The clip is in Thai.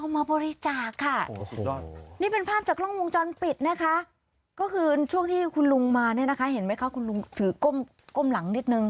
เมื่อคืนช่วงที่คุณลุงมาเนี่ยนะคะเห็นไหมคะคุณลุงถือก้มหลังนิดนึง